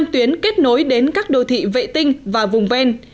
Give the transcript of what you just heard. năm tuyến kết nối đến các đô thị vệ tinh và vùng ven